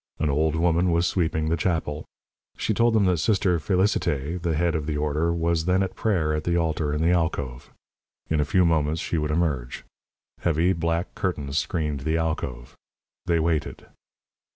An old woman was sweeping the chapel. She told them that Sister Félicité, the head of the order, was then at prayer at the altar in the alcove. In a few moments she would emerge. Heavy, black curtains screened the alcove. They waited.